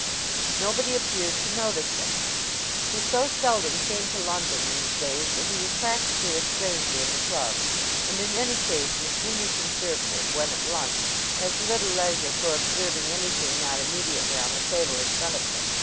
Nobody appeared to notice him. He so seldom came to London these days that he was practically a stranger in the club; and in any case your Senior Conservative, when at lunch, has little leisure for observing anything not immediately on the table in front of him.